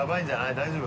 大丈夫？